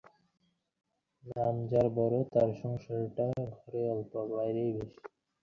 এখানে আনবার জন্য কত তোশামোদ করছি, কী আর বলব তোমাকে।